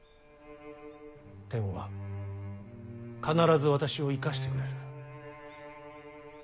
天は必ず私を生かしてくれる。